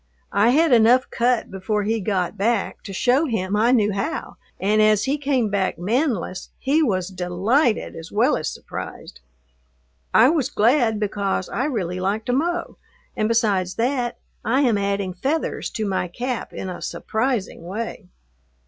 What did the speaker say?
I had enough cut before he got back to show him I knew how, and as he came back manless he was delighted as well as surprised. I was glad because I really like to mow, and besides that, I am adding feathers to my cap in a surprising way.